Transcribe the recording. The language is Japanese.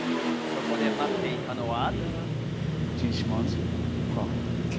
そこで待っていたのは。